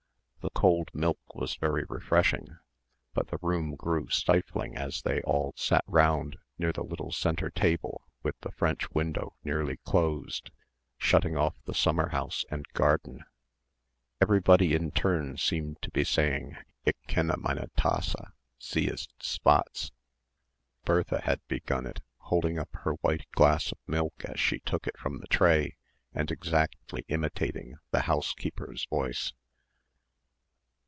The cold milk was very refreshing but the room grew stifling as they all sat round near the little centre table with the French window nearly closed, shutting off the summer house and garden. Everybody in turn seemed to be saying "Ik kenne meine Tasse sie ist svatz." Bertha had begun it, holding up her white glass of milk as she took it from the tray and exactly imitating the housekeeper's voice.